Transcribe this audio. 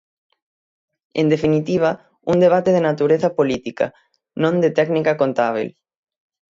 En definitiva, un debate de natureza política, non de técnica contábel.